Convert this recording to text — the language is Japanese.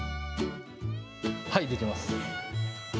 はい、できます。